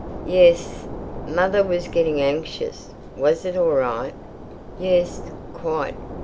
"Yes." "Mother was getting anxious. Was it all right?" "Yes, quite.